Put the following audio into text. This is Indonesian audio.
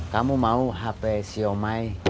kamu mau hp si omai